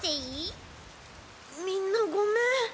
みんなごめん。